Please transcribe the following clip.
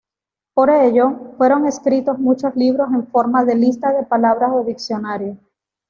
Por ello, fueron escritos muchos libros en forma de lista de palabras o diccionario.